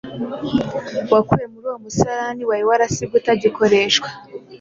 wakuwe muri uwo musarane wari warasibwe utagikoreshwa,